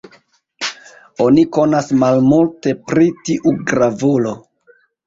Oni konas malmulte pri tiu gravulo.